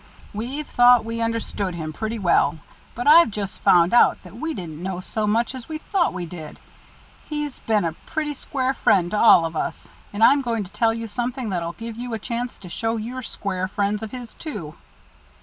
"We've thought we understood him pretty well, but I've just found out that we didn't know so much as we thought we did. He's been a pretty square friend to all of us, and I'm going to tell you something that'll give you a chance to show you're square friends of his, too."